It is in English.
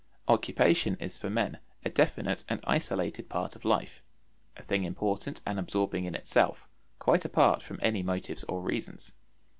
Occupation is for men a definite and isolated part of life, a thing important and absorbing in itself, quite apart from any motives or reasons.